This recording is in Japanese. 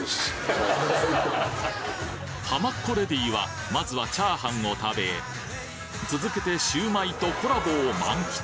ハマっ子レディはまずはチャーハンを食べ続けてシウマイとコラボを満喫！